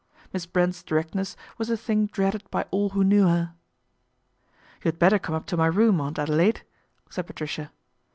Miss Brent's direct ness was a thing dreaded by all who knew her. ' You had better come up to my room, Aunt Adelaide," said Patricia.